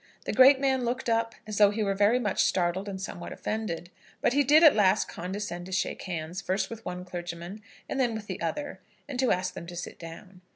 The great man looked up, as though he were very much startled and somewhat offended; but he did at last condescend to shake hands, first with one clergyman and then with the other, and to ask them to sit down.